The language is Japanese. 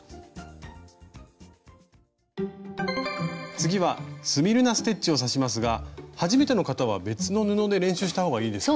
次はスミルナ・ステッチを刺しますが初めての方は別の布で練習したほうがいいですかね？